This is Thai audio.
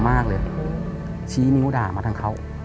มากเลยชี้นิ้วด่ามาทางเขา